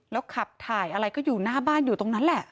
แล้วขับถ่ายอะไรก็อยู่หน้าบ้านอยู่ตรงนั้นแหละ